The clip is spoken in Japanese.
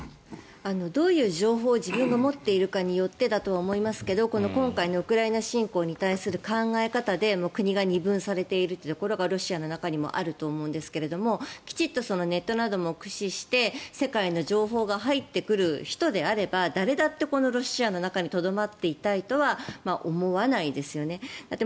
どういう情報を自分が持っているかによってだとは思いますが今回のウクライナ侵攻に対する考え方で国が二分されているというこれがロシアの中にもあると思うんですがきちんとネットなどを駆使して世界の情報が入ってくる人であれば誰だってロシアの中にとどまっていたいとは思わないですよね。